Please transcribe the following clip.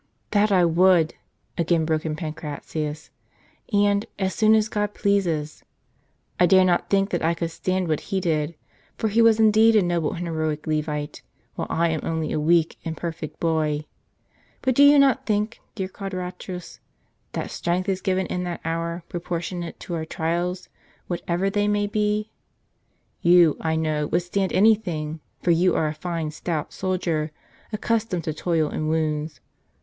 "That I would," again broke in Pancratius, "and, as soon as God pleases ! 1 dare not think that I could stand what he did ; for he was indeed a noble and heroic Levite, while I am only a weak imperfect boy. But do you not think, dear Quadratus, that strength is given in that hour, proportionate to our trials, whatever they may be? You, I know, would stand any thing ; for you are a fine stout soldier, accustomed to toil and wounds.